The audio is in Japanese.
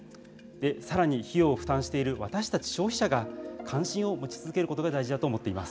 さらに費用を負担している私たち消費者が関心を持ち続けることが大事だと思っています。